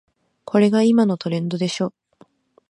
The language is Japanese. これが今のトレンドでしょ